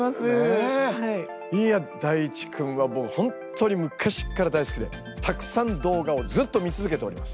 いやＤａｉｃｈｉくんは僕本当に昔から大好きでたくさん動画をずっと見続けております。